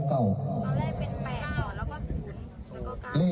๖หรือ๙